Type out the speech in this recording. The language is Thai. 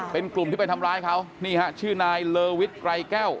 เป็นกลุ่มที่ไปทำร้ายเขานี่ฮะชื่อนายเลอวิทไกรแก้ว